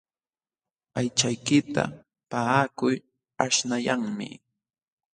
Aychaykita paqakuy aśhnayanmi.